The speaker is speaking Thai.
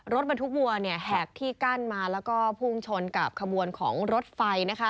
รถบรรทุกวัวแหกที่กั้นมาแล้วก็พุ่งชนกับขบวนของรถไฟ